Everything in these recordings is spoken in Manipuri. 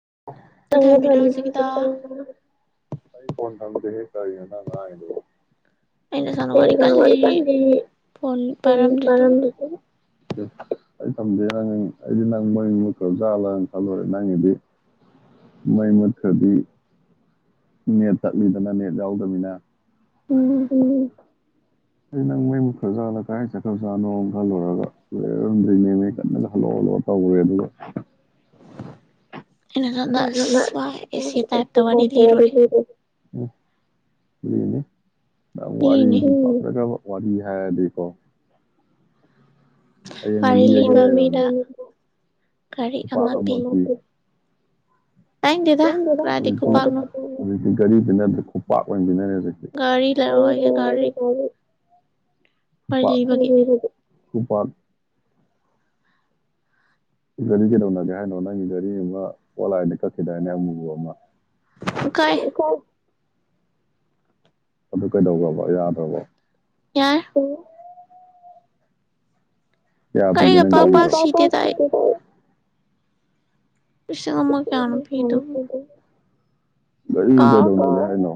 [inaudible] ꯊꯝꯗꯦꯍꯦ ꯀꯩꯅꯣ ꯅꯪꯅ ꯉꯥꯡꯉꯤꯗꯨꯕꯣ? ꯑꯩꯅ ꯁꯣꯟꯗ ꯋꯥꯔꯤ ꯀꯟꯅ ꯂꯤꯔꯤꯐꯣꯟ ꯇꯥꯔꯝꯗ꯭ꯔꯦ ꯑꯗꯨꯒ꯫ ꯑꯩ ꯊꯝꯗꯦ ꯅꯪ ꯑꯩꯗꯤ ꯅꯪ ꯃꯩ ꯃꯨꯠꯈꯔ꯭ꯕ ꯆꯠꯂꯥ ꯈꯜꯂꯨꯔꯦ ꯅꯪꯒꯤꯗꯤ ꯃꯩ ꯃꯨꯠꯈꯔꯗꯤ ꯅꯦꯠ ꯇꯠꯂꯤꯗꯅ ꯅꯦꯠ ꯌꯥꯎꯗꯅꯤꯅ ꯎꯝ ꯑꯩ ꯅꯪ ꯃꯩ ꯃꯨꯠꯈꯔꯥ ꯖꯠꯂꯥ ꯀꯗꯥꯥꯏ ꯆꯠꯈ꯭ꯔ ꯆꯥꯠꯅꯣ ꯈꯜꯂꯨꯔꯒ ꯂꯩꯔꯝꯗꯣꯏꯅꯦꯦꯝ ꯀꯟꯅꯗ ꯍꯜꯂꯛꯑꯣ ꯍꯜꯂꯛꯑꯣ ꯇꯧꯔꯦ ꯑꯗꯨꯒ ꯎꯅꯦꯦ ꯅ ꯋꯥꯔꯤꯗꯤ ꯄꯥꯝꯖꯒꯔꯕ ꯋꯥꯕꯤ ꯍꯥꯏꯗꯤꯀꯣ ꯍꯩꯌꯦꯡ ꯂꯤꯔꯒꯦꯗꯥ ꯋꯥꯔꯤ ꯂꯤꯕ ꯃꯤꯗꯥ ꯘꯔꯤ ꯑꯃꯥ ꯄꯤ [inaudible] ꯀꯔꯤ ꯄꯅꯗ꯭ꯔ ꯈꯨꯄꯥꯛ ꯑꯣꯏꯅ ꯄꯅꯔ [inaudible] ꯒꯥꯔꯤ ꯂꯩꯔꯛꯑꯣ ꯑꯩꯒꯤ ꯒꯥꯔꯤ ꯎ [inaudible] ꯕꯥꯜ [inaudible] ꯒꯥꯔꯤ ꯀꯩꯗꯧꯅꯒꯦ ꯍꯥꯏꯅꯣ ꯅꯪꯒꯤ ꯒꯥꯔꯤ ꯑꯃ ꯑꯣꯠꯂꯥꯏꯗꯤ ꯀꯛꯈꯤꯗꯥꯏꯅꯦ ꯑꯃꯨꯕꯥ ꯑꯃ ꯀꯣꯏ ꯑꯗꯨ ꯀꯩꯗꯧꯕꯕꯣ ꯌꯥꯗ꯭ꯔꯕꯣ ꯌꯥꯔ ꯌꯥꯤꯪ ꯄꯁꯦ ꯅꯃ ꯀꯅ ꯄꯩꯗ ꯔꯤ ꯀꯩꯗꯧꯅꯅꯦ ꯍꯥꯏꯅꯣ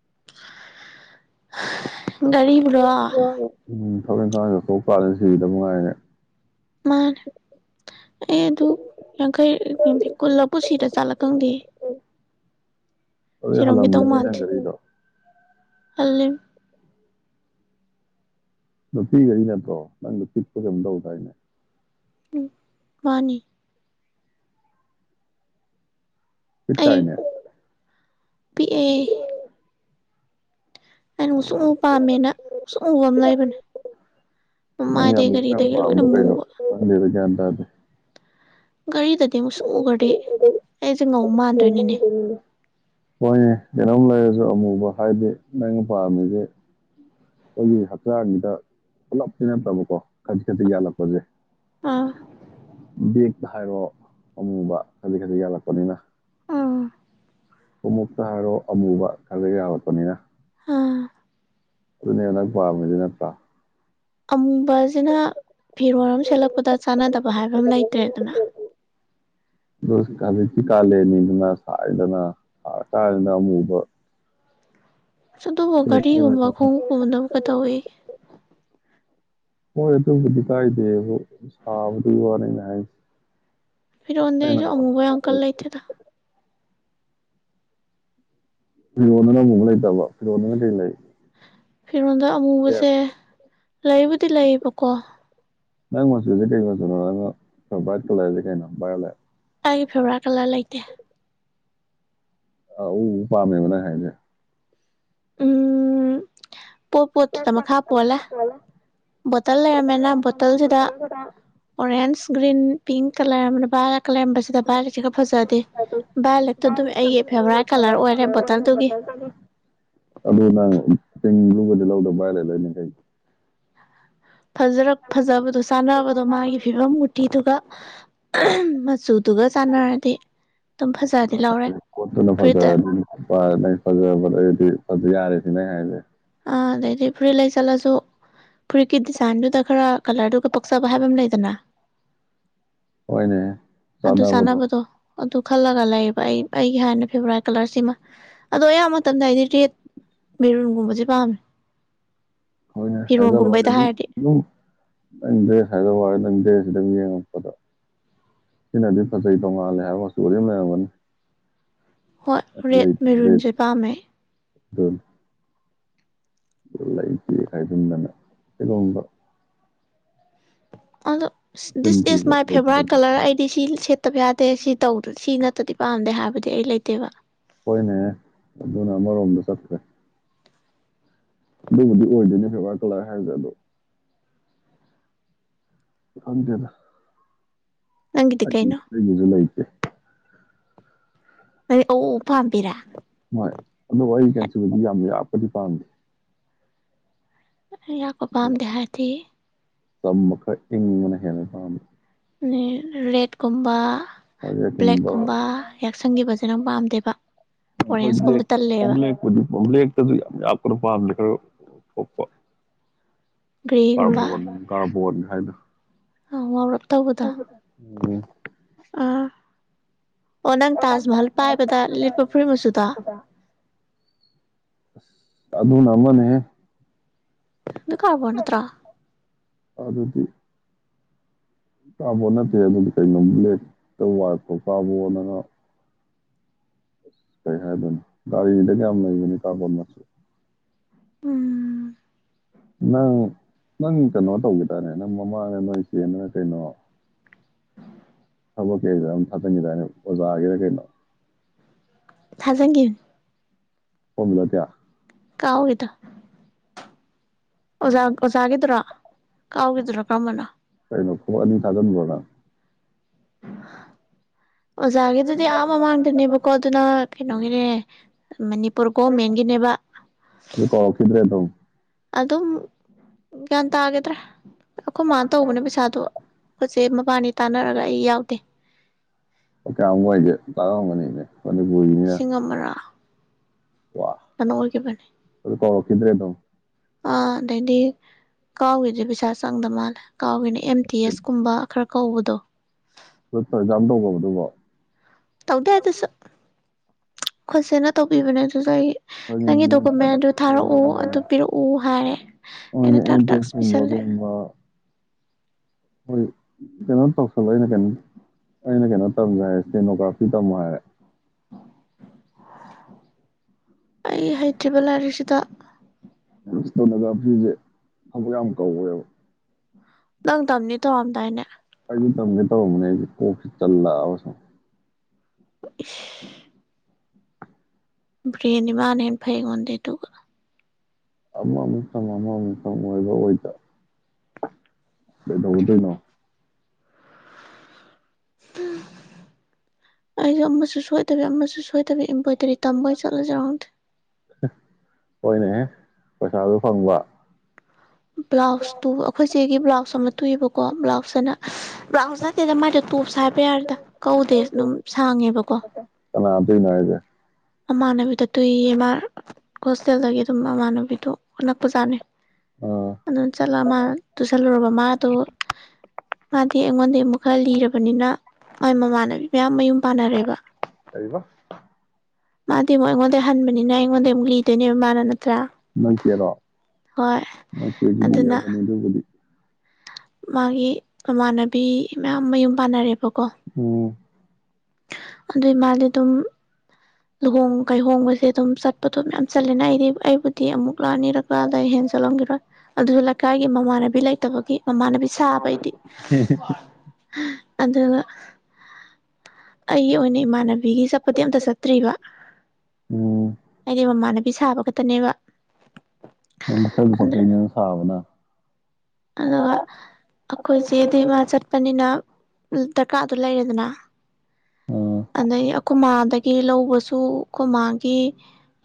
ꯑꯥ ꯑꯥ [inaudible] ꯍꯥ ꯒꯥꯔꯤꯕ꯭ꯔꯣ ꯊꯕꯛ ꯏꯪꯈꯥꯡ ꯆꯊꯣꯛ ꯄꯥꯂꯅ ꯁꯤꯗ ꯅꯨꯡꯉꯥꯏꯔꯦ ꯃꯥꯅꯦ ꯑꯩ ꯑꯗꯨ ꯌꯥꯡꯈꯩ ꯀꯨꯜꯂ ꯄꯨꯟꯁꯤꯗ ꯆꯥꯂ ꯈꯪꯗꯦ ꯑꯗꯨ ꯍꯜꯂꯂꯝꯅꯤꯅꯒꯔꯤꯗ ꯑꯂ ꯅꯨꯄꯤꯈꯔꯤ ꯅꯠꯇ꯭ꯔꯣ ꯅꯪꯗ ꯆꯤꯛꯄ ꯀꯩꯝ ꯇꯧꯗ ꯍꯥꯏꯅꯦ ꯋꯥꯕꯥꯅꯤ ꯏꯠꯇ ꯏꯅꯦ ꯄꯤꯑ ꯑꯩꯅ ꯉꯨꯁꯨꯛ ꯉꯎ ꯄꯥꯝꯃꯦꯅ ꯉꯨꯁꯨ ꯉꯨꯕ ꯑꯃ ꯂꯩꯕꯅꯦ ꯃꯃꯥꯏꯗꯒꯤꯩ ꯀꯒꯥꯔꯤꯗꯒꯤ ꯂꯣꯏꯅ ꯃꯨꯕ ꯇꯕ ꯒꯥꯔꯤꯗꯗꯤ ꯑꯃꯨꯛꯁꯨ ꯎꯈꯗꯤ ꯑꯩꯁꯦ ꯉꯧ [inaudible] ꯍꯣꯏꯅꯦ ꯀꯩꯅꯣꯝ ꯂꯩꯔꯁꯨ ꯑꯃꯨꯕ ꯍꯥꯏꯗꯤ ꯅꯪꯅ ꯄꯥꯝꯃꯤꯁꯦ ꯑꯩꯈꯣꯏꯒꯤ ꯍꯛꯆꯥꯡꯒꯤꯗ ꯄꯨꯂꯞ ꯄꯅꯛꯇꯕꯀꯣ ꯈꯖꯤꯛ ꯈꯗꯤ ꯌꯥꯜꯂꯛꯄꯁꯦ [inaudible] ꯗ ꯍꯥꯏꯔꯣ ꯑꯃꯨꯕ ꯈꯖꯤꯛ ꯈꯖꯤꯛ ꯌꯥꯜꯂꯛꯄꯅꯤꯅ ꯑꯥ ꯈꯨꯉꯨꯞꯇ ꯍꯥꯏꯔꯣ ꯑꯃꯨꯕ ꯈꯜꯂ ꯌꯥꯔꯛꯄꯅꯤꯅ ꯑ ꯑꯗꯨꯅꯦ ꯍꯗꯛ ꯄꯥꯝꯃꯤꯗꯤ ꯅꯠꯇ꯭ꯔꯥ ꯑꯃꯨꯕꯁꯤꯅ ꯐꯤꯔꯣꯜ ꯑꯃ ꯁꯦꯠꯂꯛꯄꯗ ꯆꯥꯟꯅꯗꯕ ꯍꯥꯏꯕ ꯑꯃ ꯂꯩꯇ꯭ꯔꯦꯗꯅ ꯍꯧꯖꯤꯛꯇꯤ ꯀꯥꯂꯦꯟ ꯅꯨꯡꯁꯥ ꯁꯥꯗꯅ ꯁꯥꯔꯀꯥꯟꯖꯤꯗ ꯑꯃꯨꯕ ꯑꯗꯨꯕꯨ ꯘꯔꯤꯒꯨꯝꯕ ꯈꯣꯡꯎꯞꯀꯨꯝꯕꯗꯕꯨꯛ ꯀꯩ ꯇꯧꯋꯦꯒꯦ ꯍꯣꯏ ꯍꯣꯏ ꯑꯗꯨꯕꯨꯗꯤ ꯀꯥꯏꯗꯦ ꯁꯥꯕꯗꯨꯒꯤ ꯋꯥꯅꯦ ꯍꯥꯏꯁꯦ ꯐꯔꯣꯜꯒꯨꯝꯕ ꯂꯩꯕꯗ ꯑꯃꯨꯕ ꯌꯥꯝ ꯀꯟ ꯂꯩꯗꯦꯗ [inaudible] ꯐꯤꯔꯣꯟꯗ ꯑꯃꯨꯕꯁꯦ ꯂꯩꯕꯨꯗꯤ ꯂꯩꯌꯦꯕꯀꯣ [inaudible] ꯑꯩꯒꯤ ꯐꯤꯔꯣꯜ ꯀꯂꯔ ꯂꯩꯇꯦ ꯑꯎ ꯑꯎ ꯄꯥꯝꯃꯦꯕ ꯅꯪ ꯍꯥꯏꯁꯦ ꯎꯝ ꯄꯣꯠ ꯄꯣꯠꯇꯨꯗ ꯃꯈꯥ ꯄꯣꯜꯂꯦ ꯕꯣꯇꯜ ꯂꯩꯔꯝꯃꯦꯅ ꯕꯣꯇꯜꯁꯤꯗ ꯑꯣꯔꯦꯟꯁ ꯭ꯒꯔꯤꯟ ꯄꯤꯡ ꯀꯂꯔ ꯂꯩꯔꯝꯕꯁꯤꯗ ꯚꯂꯦꯛꯁꯤ ꯈꯔ ꯐꯖꯗꯦ ꯚꯏꯂꯦꯛꯇꯨ ꯑꯗꯨꯝ ꯑꯩꯒꯤ ꯐꯦꯚꯣꯔꯥꯏꯠ ꯀꯂꯔ ꯑꯣꯏꯔꯦ ꯕꯣꯇꯜꯗꯨꯒꯤ ꯇꯦꯡ ꯂꯨꯕꯗꯤ ꯂꯧꯗ ꯥꯏ ꯂꯩ ꯂꯩꯣꯏꯅꯤꯡ ꯀꯩ ꯐꯖꯔ ꯐꯖꯕꯗꯣ ꯆꯥꯅꯕꯗꯣ ꯃꯥꯒꯤ ꯐꯤꯕꯝ ꯎꯨꯇꯤꯗꯨꯒ ꯃꯁꯨ ꯑꯗꯨꯒ ꯆꯥꯟꯅꯔꯗꯤ ꯑꯗꯨꯝ ꯐꯖꯗꯤ ꯂꯧꯔꯦ ꯐꯨꯔꯤꯠꯇ ꯍꯣꯏ ꯅꯪ ꯐꯖꯕ ꯑꯗꯨꯗꯤ ꯐꯖ ꯌꯥꯔꯦ ꯁꯤ ꯅ ꯍꯥꯏꯁꯦ ꯑꯥ ꯑꯗꯩꯗꯤ ꯐꯨꯔꯤꯠ ꯂꯩ ꯆꯠꯂꯁꯨ ꯐꯨꯔꯤꯠꯀꯤ ꯗꯤꯖꯥꯏꯟꯗꯨꯗ ꯈꯔ ꯀꯂꯔꯗꯨꯒ ꯄꯛꯆꯕ ꯍꯥꯏꯕ ꯑꯃ ꯂꯩꯗꯅ ꯍꯣꯏꯅꯦ ꯑꯗꯨ ꯆꯥꯟꯅꯕꯗꯣ ꯑꯣ ꯗꯨ ꯈꯔꯂꯒ ꯂ ꯂꯩ ꯑꯩ ꯑꯩꯒꯤ ꯍꯥꯟꯅ ꯐꯦꯕꯣꯔꯥꯏꯠ ꯀꯂꯔꯁꯤꯃ ꯑꯗꯣ ꯑꯌꯥꯝꯕ ꯃꯇꯝꯗ ꯍꯥꯏꯗꯤ ꯔꯦꯠ ꯃꯦꯔꯨꯟꯒꯨꯝꯕꯁꯦ ꯄꯥꯝꯃꯦ ꯍꯣꯏꯅꯦ ꯍꯥꯏꯗ꯭ꯔꯕꯥꯗ ꯑꯗꯨꯝ ꯑꯗꯨꯝ ꯅꯪꯗꯦ ꯍꯥꯏꯗ꯭ꯔꯕꯥꯗ ꯅꯪꯗꯦ ꯁꯤꯗꯪ ꯌꯦꯡꯉꯛꯄꯗ ꯁꯤꯅꯗꯤ ꯐꯖꯩ ꯇꯣꯡꯉꯥꯜꯂꯦ ꯍꯥꯏꯕꯒꯁꯨ ꯑꯗꯨ ꯑꯗꯨꯝ ꯂꯩꯔꯝꯒꯅꯤ ꯍꯣꯏ ꯔꯦꯠ ꯃꯦꯔꯨꯟꯁꯦ ꯄꯥꯝꯃꯦ [unintelligible] ꯂꯩꯇꯦ ꯀꯥꯏ ꯍꯥꯏꯖꯟꯗꯅ [unintelligible] [inaudible] ꯑꯗꯣ ꯗꯤꯁ ꯏꯁ ꯃꯥꯏ ꯐꯦꯚꯣꯔꯥꯏꯠ ꯀꯂꫪ ꯑꯩꯗꯤ ꯁꯤ ꯁꯦꯠꯇꯕ ꯌꯥꯗꯦ ꯁꯤ ꯇꯧꯗ ꯁꯤ ꯅꯠꯇ꯭ꯔꯗꯤ ꯍꯣꯏꯅꯦ ꯑꯗꯨꯅ ꯑꯃꯔꯣꯝꯗ ꯆꯠꯈ꯭ꯔꯦ ꯑꯗꯨꯕꯨꯗꯤ ꯑꯣꯏꯗꯣꯏꯅꯦ ꯐꯦꯚꯔꯥꯏꯠ ꯀꯂ ꯍꯥꯏꯕꯁꯦ ꯑꯗꯣ ꯈꯪꯗꯦꯗ ꯑꯩꯒꯤ ꯑꯩꯒꯤꯖꯨ ꯂꯩ ꯇꯦ ꯍꯩ ꯑꯋꯨ ꯑꯋꯨ ꯄꯥꯝꯕꯤꯔꯥ ꯨꯆꯨꯗꯤ ꯌꯥꯝ ꯌꯥꯛꯄꯗꯤ ꯄꯥꯝꯗꯦ ꯑꯌꯥꯛꯄ ꯄꯝꯗꯦ ꯍꯥꯏꯗꯤ ꯆꯝꯕ ꯈꯔ ꯏꯪꯕꯅ ꯍꯦꯟꯂꯦ ꯄꯥꯝꯕ ꯅꯦ ꯔꯦꯠꯀꯨꯝꯕ ꯍꫭꯏ ꯔꯦꯠꯀꯨꯝꯕ ꯍꫭꯏ ꯕ꯭ꯂꯦꯛ ꯕ꯭ꯂꯦꯛꯄꯨꯗꯤ ꯕ꯭ꯂꯦꯛꯇꯁꯨ ꯌꯥꯝ ꯌꯥꯛꯄꯗꫭ ꯄꯥꯝꯗꯦ ꯈꯔ ꯋꯥꯎꯊꫭꯛꯄ ꯀꯥꫪꯕꫭꯟ ꯀꯥꫪꯕꫭꯟ ꯕꫭꯟ ꯍꯥꯏꯗꫭ ꯎꯝ ꯑꯣ ꯅꯪ ꯇꯥꯖ ꯃꯍꯜ ꯄꯥꯏꯕꯗ ꯂꯤꯠꯄ ꯐꯨꯔꯤꯠ ꯃꯆꯨꯗꯣ ꯑꯁ ꯑꯗꯨꯅ ꯑꯃꯅꯦꯍꯦ ꯑꯗꯨ ꯀꯥꫪꯕꫭꯟ ꯅꯠꯇ꯭ꯔꫭ ꯀꯥꫪꯕꯣꯟ ꯅꯠꯇꯦ ꯑꯗꯨꯗꯤ ꯀꯩꯅꯣ ꯕ꯭ꯂꯦꯛꯇ ꯋꯥꯎꯊꫭꯛꯄ ꯀꯥꫪꯕꯣꯟ ꯑꯅ ꯑꯁ ꯀꯩ ꯍꯥꯏꯗꫭꯏꯅꫭꯒꯥꯔꯤꯗꯒ ꯌꯥꯝ ꯂꯩꯕꯅꯤ ꯀꯥꫪꯕꫭꯟ ꯃꯆꯨ ꯎꯝ ꯅꯪ ꯅꯪ ꯀꯩꯅꯣ ꯇꯧꯒꯦꯗꯔꯅꯦ ꯅꯪ ꯃꯃꯥꯡꯗ ꯅꫭꯏ ꯏꯆꯦꯅ ꯀꯩꯅꯣ ꯊꯕꯛ ꯀꯤ ꯑꯦꯛꯖꯥꯝ ꯊꯥꯖꯤꯟꯈꯤꯗꯥꯏꯅꯦ ꯑꯣꯖꯥꯒꯤꯔ ꯀꯩꯅꯣ ꯊꯥꯖꯟꯒꯤꯕꯅꯤ ꯐꫭꯝꯕꯤꯂꯞ ꯀꯥꯌꯥ ꯀꯥꯎꯔꯦꯗ ꯑꯣꯖꯥ ꯑꯣꯖꯥꯒꯤꯗꯨꯔꯥ ꯀꯥꯎꯒꯤꯗꯨꯔꯣ ꯀꯔꯝꯕꯅꯣ ꯀꯩꯅꯣ ꯐꫭꯝ ꯑꯅꯤ ꯊꯥꯖꯟꯕ꯭ꯔꯣ ꯅꯪ [unintelligible] ꯑꯣꯖꯥꯒꯤꯗꯨꯗꯤ ꯑꯥ ꯃꯃꯥꯡꯗꯅꯦꯕꯀꯣ ꯑꯗꯨꯅ ꯀꯩꯅꯣ [unintelligible] ꯑꯗꯨ ꯀꯧꯔꯛꯈꯤꯗ꯭ꯔꯦ ꯑꯗꯨꯝ ꯑꯗꯨꯝ ꯒ꯭ꯌꯥꯟ ꯇꯥꯒꯤꯗꯔ꯭ꯦ ꯑꯩꯈꯣꯏ ꯃꯥꯅ ꯇꯧꯕꯅꯦ ꯄꯩꯁꯥꯗꯣ ꯑꯩꯈꯣꯏꯠꯁꯦ ꯃꯕꯥꯅꯤ ꯇꯥꯟꯅꯔꯒ ꯑꯩ ꯌꯥꯎꯗꯦ ꯑꯣꯀꯦ ꯑ ꯋꯥ ꯑꯣꯏꯒꯦ ꯇꯥꯔꯒꯅꯤꯅꯦ ꯂꯤꯁꯤꯡ ꯑꯃꯔꯥ ꯋꯥ ꯑꯗꯨ ꯇꯧꯔꯛꯈꯤꯗ꯭ꯔꯦ ꯑꯗꯨꯝ ꯑꯥ ꯑꯗꯩꯗꯤ ꯀꯥꯎꯒꯤꯗꯤ ꯄꯩꯁꯥ ꯆꯪꯗ ꯃꯥꯜꯂꯦ ꯀꯥꯎꯒꯅ ꯑꯦꯝ ꯇꯤ ꯑꯦꯁ ꯀꯨꯝꯕ ꯈꯔ ꯀꯧꯕꯗꯣ ꯔꯛꯖꯥ ꯇꯧꯕꯗꯨꯕꯣ ꯇꯧꯗꯦ ꯑꯗꯨꯁꯨ ꯈꯨꯠꯁꯅ ꯇꯧꯕꯤꯕꯅꯦ ꯑꯗꯨꯁꯨ ꯑꯩ ꯅꯪꯒꯤ ꯗꯣꯀꯨꯃꯦꯟ ꯑꯗꯨ ꯊꯥꯔꯛꯎ ꯑꯗꯨ ꯄꯤꯔꯛꯎ ꯍꯥꯏꯔꯦ ꯑꯩꯅ ꯇꯥꯛ ꯇꯥꯛꯁ ꯄꯤꯁꯜꯂꯦ ꯍꯣꯏ ꯀꯩꯅꯣ ꯇꯧꯁꯜꯂ ꯑꯩꯅ ꯀꯩꯅꯣ ꯑꯩꯅ ꯀꯩꯅꯣ ꯇꯝꯁꯦ ꯍꯥꯏꯔꯦ ꯏꯁꯇꯦꯅꯣꯒ꯭ꯔꯥꯐꯤ ꯇꯝꯃꯣ ꯍꯥꯏꯔꯦ ꯑꯩ ꯍꯩꯇ꯭ꯔꯤꯕ ꯂꯥꯏꯔꯤꯛꯁꯤꯗ ꯏꯁꯇꯦꯅꯣꯒ꯭ꯔꯥꯐꯤꯖꯦ ꯊꯕꯛ ꯌꯥꯝ ꯀꯧꯋꯦꯕ ꯅꯪ ꯇꯝꯅꯤ ꯇꯧꯔꯝꯗꯥꯏꯅꯦ ꯑꯩꯖꯦ ꯇꯝꯒꯦ ꯇꯧꯔꯝꯕꯅꯤ ꯑꯩꯖꯦ ꯀꯣꯛꯁꯦ ꯆꯜꯂꯛ ꯑꯕꯥ ꯁꯨꯝ ꯏꯁ ꯕꯔ꯭ꯦꯟꯗꯤ ꯃꯥꯅ ꯍꯦꯟꯅ ꯐꯩ ꯑꯩꯉꯣꯟꯗꯩꯩ ꯗꯨꯒ ꯑꯃ ꯃꯨꯛꯇꯝ ꯑꯃ ꯃꯨꯛꯇꯝ ꯑꯣꯏꯕ ꯑꯣꯏꯗ ꯀꯩꯗꯧꯗꯣꯏꯅꯣ ꯑꯩꯁꯨ ꯑꯃꯁꯨ ꯁꯣꯏꯗꯕꯤ ꯑꯃꯁꯨ ꯁꯣꯏꯗꯕꯤ ꯏꯝꯕ ꯇꯔꯤ ꯇꯝꯕ ꯑꯣꯏ ꯆꯠꯂꯖꯤꯔ ꯈꯪꯗꯦ ꯄꯩꯁꯥꯗꯨ ꯐꯪꯕ ꯕ꯭ꯂꯥꯎꯁꯇꯨ ꯑꯩꯈꯣꯏ ꯆꯦꯒꯤ ꯕ꯭ꯂꯥꯎꯁ ꯑꯃ ꯇꯨꯏꯕꯀꯣ ꯕ꯭ꯂꯥꯎꯁꯇꯅ ꯕ꯭ꯂꯥꯎꯁ ꯅꯠꯇꯦꯗ ꯃꯥꯏꯗꯣ ꯇꯣꯞꯁ ꯍꯥꯏꯕ ꯌꯥꯔꯦꯗ ꯀꯧꯗꯦ ꯑꯗꯨꯝ ꯁꯥꯡꯉꯦꯕꯀꯣ ꯃꯃꯥꯟꯅꯕꯤꯗ ꯇꯨꯏꯌꯦ ꯃꯥꯥ ꯍꯣꯁꯇꯦꯜꯗꯒꯤ ꯑꯗꯨꯝ ꯃꯃꯥꯟꯅꯕꯤꯗꯣ ꯅꯛꯄꯖꯥꯠꯅꯤ ꯑꯗꯨ ꯆꯠꯂ ꯃꯥ ꯇꯨꯁꯜꯂꯨꯔꯕ ꯃꯥꯗꯣ ꯃꯗꯤ ꯑꯩꯪꯉꯣꯟꯗꯩꯩ ꯃꯨꯛ ꯈꯔ ꯂꯤꯔꯕꯅꯤꯅ ꯍꯣꯏ ꯃꯃꯥꯟꯅꯕꯤ ꯃꯌꯥꯝ ꯃꯌꯨꯝ ꯄꯥꯟꯅꯔꯦꯕ ꯃꯥꯗꯤꯃꯨꯛ ꯑꯩꯉꯣꯟꯗꯩꯩ ꯍꯟꯕꯅꯤꯅ ꯑꯩꯉꯣꯟꯗꯩꯩ ꯑꯃꯨꯛ ꯂꯤꯗꯣꯏꯅꯦꯕ ꯃꯥꯅ ꯅꯣꯏꯆꯦꯔꯣ ꯅꯣꯏꯆꯦꯗꯤ ꯅꯩꯔꯕꯅꯦ ꯑꯗꯨꯕꯨꯗꯤ ꯃꯥꯒꯤ ꯃꯃꯥꯅ ꯕꯤ ꯁꯤ ꯃꯌꯥꯝ ꯃꯌꯨꯝ ꯄꯥꯟꯅꯔꯦꯕꯀꯣ ꯑꯗꯨꯏ ꯃꯥꯗꯤ ꯑꯗꯨꯝ ꯂꯨꯍꯣꯡ ꯀꯥꯏꯍꯣꯡꯕꯁꯦ ꯑꯗꯨꯝ ꯆꯠꯄꯗꯣ ꯃꯌꯥꯝ ꯆꯠꯂꯦꯅ ꯑꯩꯗꯤ ꯑꯩꯕꯨꯗꯤ ꯑꯃꯨꯛ ꯂꯥꯛꯅꯤꯔꯛꯂꯑꯗ ꯍꯦꯟ ꯆꯠꯂꯝꯈꯤꯔꯣꯏ ꯑꯗꯨꯁꯨ ꯂꯩꯀꯥꯏꯒꯤ ꯃꯃꯥꯟꯅꯕꯤ ꯂꯩꯇꯕꯒꯤ ꯃꯃꯥꯟꯅꯕꯤ ꯁꯥꯕ ꯑꯩꯗꯤ ꯑꯗꯨꯒ ꯑꯩꯒꯤ ꯑꯣꯏꯅ ꯏꯃꯥꯟꯅꯕꯤꯒꯤ ꯆꯠꯄꯗꯤ ꯑꯝꯇ ꯆꯠꯇ꯭ꯔꯤꯕ ꯑꯩꯗꯤ ꯃꯃꯥꯟꯅꯕꯤ ꯁꯥꯕ ꯇꯅꯦꯕ ꯅꯪꯗꯤ ꯈꯔꯖꯨ ꯄꯛꯆꯩꯅꯦ ꯁꯥꯕꯅ ꯑꯗꯨꯒ ꯑꯩꯈꯣꯏꯁꯦ ꯗꯤ ꯃꯥ ꯆꯠꯄꯅꯤꯅ ꯗꯔꯀꯥꯔꯗꯨ ꯂꯩꯔꯦꯗꯅ ꯑꯗꯩ ꯑꯩꯈꯣꯏꯃꯥꯗꯒꯤ ꯂꯧꯕꯁꯨ ꯑꯩꯈꯣꯏꯃꯥ ꯀꯤ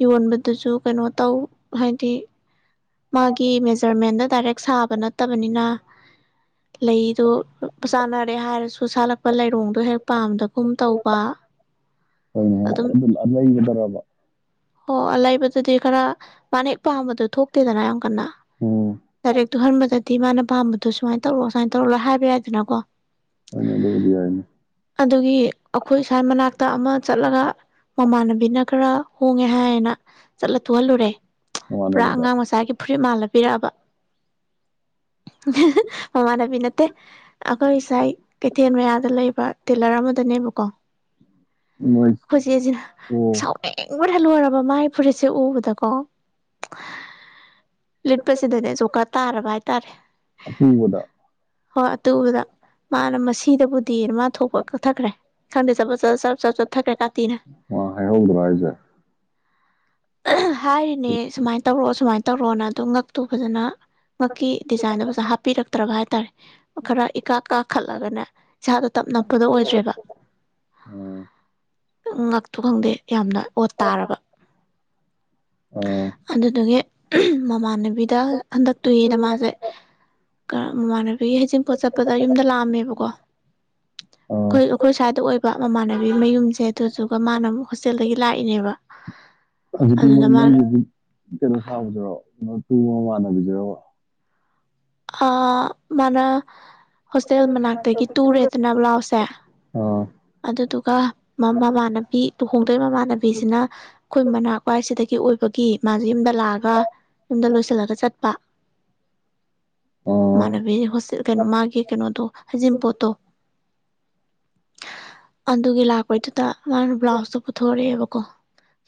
ꯌꯣꯟꯕꯗꯨꯁꯨ ꯀꯩꯅꯣ ꯇꯧ ꯍꯥꯏꯗꯤ ꯃꯥꯒꯤ ꯃꯦꯖꯔꯃꯦꯟꯗ ꯗꯥꯏꯔꯦꯛ ꯁꯥꯕ ꯅꯠꯇꯕꯅꯤꯅ ꯂꯩꯗꯨ ꯆꯥꯅꯔꯦ ꯍꯥꯏꯔꯁꯨ ꯁꯥꯠꯂꯛꯄ ꯂꯩꯔꯣꯡꯗꯣ ꯍꯦꯛ ꯄꯥꯝꯗꯕ ꯍꯣꯏꯅꯦ ꯂꯩꯒꯗꯔꯕ ꯑꯣ ꯑ ꯂꯩꯕꯗꯨꯗꯤ ꯈꯔ ꯃꯥꯅ ꯍꯦꯛ ꯄꯥꯝꯕꯗꯣ ꯊꯣꯛ ꯇꯦꯗꯅ ꯔꯦꯛꯇꯨꯍꯟꯕꯗꯗꯤ ꯃꯥꯅ ꯑꯄꯥꯝꯕꯗꯣ ꯁꯨꯃꯥꯏꯅ ꯇꯧꯔꯣ ꯁꯨꯃꯥꯏꯅ ꯇꯧꯔꯣ ꯂꯣꯢ ꯍꯥꯏꯕ ꯌꯥꯏꯗꯅꯀꯣ ꯍꯣꯢꯅꯦ ꯑꯗꯨꯕꯨꯗꯤ ꯌꯥꯢꯅꯦ ꯑꯗꯨꯒꯤ ꯑꯩꯈꯣꯏ ꯁ꯭ꯋꯥꯏ ꯃꯅꯥꯛꯇ ꯑꯃ ꯆꯠꯂꯒ ꯃꯃꯥꯟꯅꯕꯤꯅ ꯈꯔ ꯍꯣꯡꯉꯦ ꯍꯥꯏꯅ ꯆꯠꯂ ꯊꯨꯍꯜꯂꯨꯔꯦ ꯄꯨꯔꯥ ꯑꯉꯥꯡ ꯃꯆ ꯒꯤ ꯐꯨꯔꯤꯠ ꯃꯥꯜꯂ ꯄꯤꯔꯛꯑꯕ ꯃꯃꯥꯟꯅꯕꯤ ꯅꯠꯇꯦ ꯑꯩꯈꯣꯏ ꯏꯁꯥꯏ ꯀꯩꯊꯦꯜ ꯃꯌꯥꯗ ꯂꯩꯕ ꯇꯦꯂꯔ ꯑꯃꯗꯅꯦꯕꯀꯣ ꯑꯩꯈꯣꯏ ꯆꯦꯁꯤꯅ ꯁꯥꯎꯅꯤꯡꯕꯅ ꯂꯣꯏꯔꯕ ꯃꯥꯥꯏ ꯐꯨꯔꯤꯠꯁꯦ ꯎꯕꯗꯀꯣ ꯂꯤꯠꯄꯁꯤꯗꯅꯦ ꯖꯣꯀꯔ ꯇꯥꯔꯕ ꯍꯥꯏꯇꯥꯔꯦ ꯍꯣꯏ ꯑꯇꯨꯕꯗ ꯃꯥꯅ ꯃꯁꯤ ꯗ ꯇꯤ ꯃꯥ ꯊꯣꯛꯄ ꯀꯛꯊꯈ꯭ꯔꯦ ꯈꯪꯗꯦ ꯆ ꯆꯠ ꯆ ꯆꯠꯊꯈ꯭ꯔꯦ ꯀꯥꯇꯤꯅ ꯑꯍ ꯍꯥꯏꯔꯤꯅꯦ ꯁꯨꯃꯥꯏ ꯇꯧꯔꯑꯣ ꯁꯨꯃꯥꯏꯅ ꯀꯗꯣ ꯉꯛꯇꯨ ꯐꯖꯅ ꯉꯛꯀꯤ ꯗꯤꯖꯥꯏꯟꯗꯣ ꯐꯖꯥ ꯍꯥꯞꯄꯤꯔꯛꯇ꯭ꯔꯕ ꯍꯥꯏꯇꯥꯥꯔꯦ ꯈꯔ ꯏꯀꯥ ꯀꯥꯈꯠꯂꯒꯅꯦ ꯏꯁꯥꯗꯣ ꯇꯞ ꯅꯞꯄꯗꯣ ꯑꯣꯏꯗ꯭ꯔꯦꯕ ꯉ ꯇꯨ ꯈꯪꯗꯦ ꯌꯥꯝꯅ ꯑꯣꯠ ꯇꯥꯔꯕ ꯑꯗꯨꯗꯨꯒꯤ ꯃꯃꯥꯟꯅꯕꯤꯗ ꯍꯟꯗꯛꯇꯨꯌꯦꯗ ꯃꯥꯁꯦ ꯀꯔ ꯃꯃꯥꯟꯕꯤ ꯑꯒꯤ ꯍꯩꯖꯤꯡꯄꯣꯠ ꯆꯠꯄꯗ ꯌꯨꯝꯗ ꯂꯥꯛꯑꯝꯃꯦꯕꯀꯣ ꯑꯩꯈꯣꯏ ꯑꯩꯈꯣꯏ ꯁ꯭ꯋꯥꯏꯗ ꯑꯣꯏꯕ ꯃꯃꯥꯟ ꯃꯌꯨꯝ ꯁꯦ ꯑꯗꯨꯗꯨꯒ ꯃꯥꯅ ꯑꯃꯛ ꯍꯣꯁꯇꯦꯜꯗꯒꯤ ꯂꯥꯛꯏꯅꯦꯕ ꯑꯗꯨꯗꯤ ꯃꯣꯏ ꯅꯪꯒꯤꯗꯤ ꯀꯩꯅꯣ ꯁꯥꯕꯗꯔꯣ ꯇꯨꯕ ꯃꯥꯟꯅꯕꯤꯗꯨꯔꯕ ꯑ ꯃꯅ ꯍꯣꯁꯇꯦꯜ ꯃꯅꯥꯛꯇꯒꯤ ꯇꯨꯔꯦꯗꯅ ꯕ꯭ꯂꯥꯎꯁꯦ ꯑꯗꯨꯗꯨꯒ ꯃꯃꯥꯟꯅꯕꯤ ꯂꯨꯍꯣꯡꯗꯣꯏꯕ ꯃꯃꯥꯟꯅꯕꯤꯁꯤꯅ ꯑꯩꯈꯣꯏ ꯃꯅꯥꯛꯄꯏꯁꯤꯗꯒꯤ ꯑꯣꯏꯕꯒꯤ ꯃꯥꯁꯦ ꯌꯨꯝꯗ ꯂꯥꯛꯑꯒ ꯌꯨꯝꯗ ꯂꯣꯏꯁꯤꯜꯂꯒ ꯆꯠꯄ ꯃꯥꯅꯕꯤ ꯍꯣꯁ ꯀꯩꯅꯣ ꯃꯥꯒꯤ ꯀꯩꯅꯣꯗꯣ ꯍꯖꯤꯝꯄꯣꯠꯇꯣ ꯑꯗꯨꯒꯤ ꯂꯥꯛꯄꯩꯗꯨꯗ ꯃꯥꯅ ꯕ꯭ꯂꯥꯎꯁꯇꯣ ꯄꯨꯊꯣꯔꯛꯑꯦꯕꯀꯣ ꯀꯣ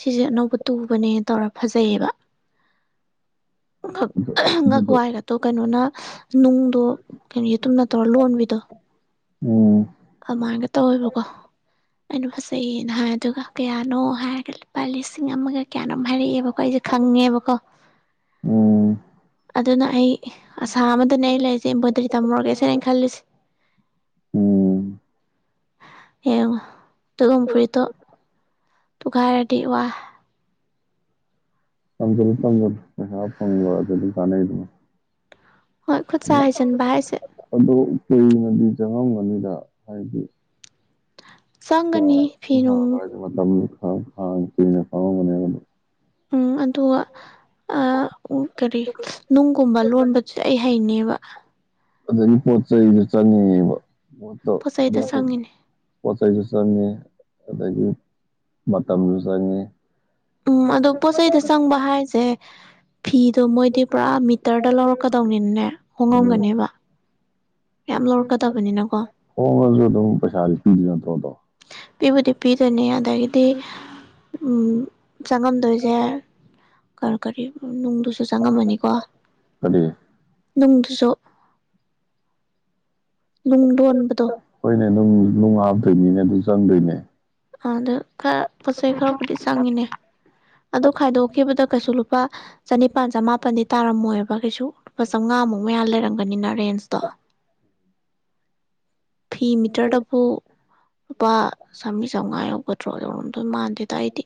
ꯁꯤꯁꯦ ꯑꯅꯧꯕ ꯇꯨꯕꯅꯦ ꯇꯧꯔ ꯐꯖꯩꯌꯦꯕ ꯉ ꯀ ꯋꯥ ꯍꯥꯏꯒ ꯇꯣ ꯅꯣꯅ ꯅꯨꯡꯗꯣ ꯀꯩꯅꯣ ꯇꯨꯝꯅ ꯇꯧꯔ ꯂꯣꯟꯕꯤꯗꯣ ꯎꯃ ꯑꯃꯥꯏꯅꯒ ꯇꯧꯋꯦꯕꯀꯣ ꯑꯩꯅ ꯐꯖꯩꯌꯦꯅ ꯍꯥꯏ ꯑꯗꯨꯒ ꯀꯌꯥꯅꯣ ꯍꯥꯏꯔꯒ ꯂꯨꯄꯥ ꯂꯤꯁꯤꯡ ꯑꯃꯒ ꯀꯌꯥꯅꯣꯝꯛ ꯍꯥꯏꯔꯛꯑꯦꯕꯣ ꯑꯩꯈꯣꯏ ꯑꯩꯁꯦ ꯈꯪꯉꯦꯕꯀꯣ ꯑꯗꯨꯅ ꯑꯩ ꯑꯁꯥ ꯑꯃꯗꯅꯦ ꯑꯩ ꯂꯩꯔꯤꯁꯦ ꯏꯝꯕ꯭ꯔꯣꯏꯗꯔꯤ ꯇꯝꯃꯨꯔꯒꯦ ꯁꯤꯅꯩꯅ ꯈꯜꯂꯤꯁꯦ ꯎꯝ ꯑꯦꯉ ꯑꯗꯨꯒ ꯐꯣꯔꯤꯠꯇꯣ ꯇꯨꯒꯥꯏꯔꯗꯤ ꯋꯥ ꯇꯝꯖꯦꯜꯂꯣ ꯇꯝꯖꯜꯂꯣ ꯄꯩꯁꯥꯐꯪꯕ ꯗꯨ ꯀꯥꯟꯅꯩꯗꯅ ꯍꯣꯏ ꯈꯨꯠ ꯁꯥ ꯍꯩꯖꯟꯕ ꯍꯥꯏꯁꯦ ꯍꯦꯟꯅꯗꯤ ꯆꯪꯉꯝꯒꯅꯤꯗ ꯍꯥꯏꯗꯤ ꯆꯪꯒꯅꯤ ꯐꯤ ꯅꯨꯡ ꯍꯥꯡ ꯀꯅ ꯐꯥꯎꯝꯒꯥꯅꯤꯕꯗꯣ ꯎ ꯑꯗꯨꯒ ꯑꯥ ꯎꯝ ꯀꯔꯤ ꯅꯨꯡꯒꯨꯝꯕ ꯂꯣꯟꯕꯗꯨ ꯑꯩ ꯍꯩꯅꯦꯕ ꯑꯗꯨꯗꯒꯤ ꯄꯣꯠ ꯆꯩꯗꯨ ꯆꯪꯉꯤꯕꯥ ꯄꯣꯠꯇꯣ ꯄꯣꯠꯇꯣ ꯆꯩꯥꯏꯁꯨ ꯆꯪꯉꯤ ꯑꯗꯒꯤ ꯃꯇꯝꯁꯨ ꯆꯪꯉꯤ ꯎꯝ ꯑꯗꯣ ꯄꯣꯠ ꯆꯩꯗ ꯆꯪꯕ ꯍꯥꯏꯁꯦ ꯐꯤꯗꯣ ꯃꯣꯏꯗꯤ ꯄꯨꯔꯥ ꯃꯤꯇꯔꯗ ꯂꯧꯔꯛꯀꯗꯧꯅꯤꯅꯅꯦ ꯍꯣꯡꯉꯝꯒꯅꯦꯕ ꯍꯣꯡꯉꯥꯁꯨ ꯑꯗꯨꯝ ꯄꯩꯁꯥ ꯄꯤꯗꯩꯩ ꯅꯥꯠꯇꯔꯣ ꯑꯗꯣ ꯄꯤꯕꯨꯗꯤ ꯄꯤꯗꯅꯤ ꯑꯗꯒꯤꯗꯤ ꯎꯝ ꯆꯪꯉꯝꯗꯣꯏꯁꯦ ꯀꯔ ꯀꯔꯤ ꯑꯗꯨꯨꯁꯨ ꯆꯪꯉꯝꯃꯅꯤꯀꯣ ꯅꯨꯡꯗꯨꯁꯨ ꯅꯨꯡ ꯂꯣꯟꯕꯗꯣ ꯅꯨꯛ ꯍꯞꯇꯣꯏꯅꯤꯅꯥ ꯑꯗꯨꯁꯨ ꯆꯪꯗꯣꯏꯅꯤꯅꯦ ꯑꯗꯨꯗ ꯈꯔ ꯄꯣꯠꯆꯩ ꯈꯔꯕꯨꯗꯤ ꯆꯪꯉꯤꯅꯦ ꯑꯗꯣ ꯈꯥꯏꯗꯣꯛꯈꯤꯕꯗ ꯀꯩꯁꯨ ꯂꯨꯄꯥ ꯆꯅꯤꯄꯥꯟ ꯆꯃꯥꯄꯜꯗꯤ ꯇꯥꯔꯝꯃꯣꯏꯕ ꯀꯩꯁꯨ ꯂꯨꯄꯥ ꯆꯥꯝꯉꯥꯃꯨꯛ ꯃꯌꯥ ꯂꯩꯔꯝꯒꯅꯤꯅ ꯔꯦꯟꯁꯇ ꯐꯤ ꯃꯤꯇꯔꯗꯕꯨ ꯂꯨꯄꯥ ꯆꯥꯝꯃꯔꯤ ꯆꯥꯝꯃꯉꯥ ꯌꯧ ꯄꯦꯇ꯭ꯔꯣꯜ ꯃꯥ ꯑꯩꯗꯤ